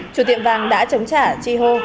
chủ tiệm vàng đã chống trả tri hô